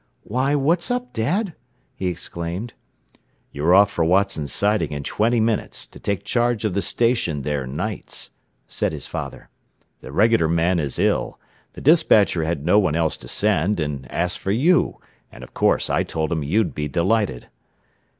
"Why, what's up, Dad?" he exclaimed. "You are off for Watson Siding in twenty minutes, to take charge of the station there nights," said his father. "The regular man is ill, the despatcher had no one else to send, and asked for you, and of course I told him you'd be delighted."